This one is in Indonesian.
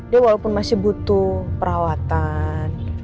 dia walaupun masih butuh perawatan